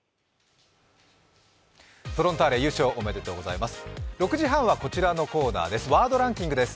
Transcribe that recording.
フロンターレ、優勝おめでとうございます。